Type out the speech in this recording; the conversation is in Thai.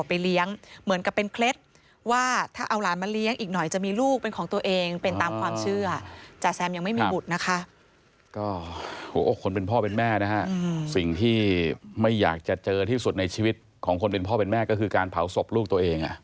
ที่ไม่อยากจะเจอที่สุดในชีวิตของคนเป็นพ่อเป็นแม่ก็คือการเผาศพลูกตัวเองอะ